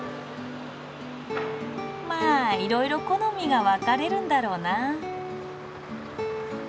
まあいろいろ好みが分かれるんだろうな。